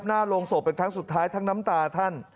หน้าโรงศพเป็นครั้งสุดท้ายทั้งน้ำตาท่าน